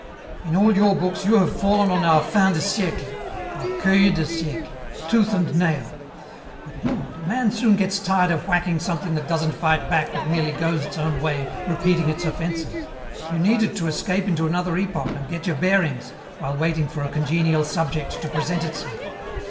"In all your books you have fallen on our fin de siècle our queue du siècle tooth and nail. But, Lord! a man soon gets tired of whacking something that doesn't fight back but merely goes its own way repeating its offences. You needed to escape into another epoch and get your bearings while waiting for a congenial subject to present itself.